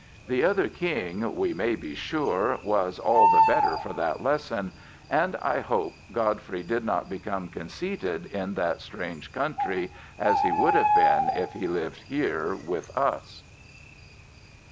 The other King, we may be sure, was all the better for that lesson; and I hope Godfrey did not become conceited in that strange country, as he would have been if he lived here with us.